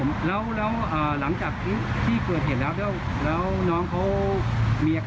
มันเป็นเชือกเส้นเดียวที่เราจะแบ่งครึ่งค่ะ